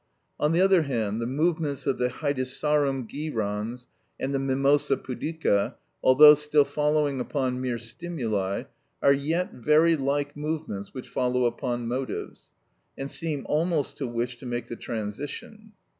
On the other hand, the movements of the Hedysarum gyrans and the Mimosa pudica, although still following upon mere stimuli, are yet very like movements which follow upon motives, and seem almost to wish to make the transition.